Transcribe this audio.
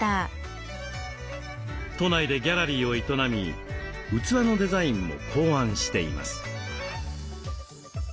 都内でギャラリーを営み器のデザインも考案しています。